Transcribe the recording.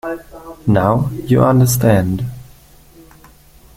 Now, you understand.